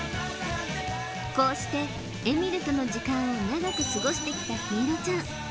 こうしてエミルとの時間を長く過ごしてきた陽彩ちゃん